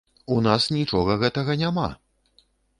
У нас нічога гэтага няма!